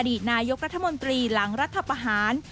ตนายกรัฐมนตรีหลังรัฐประหาร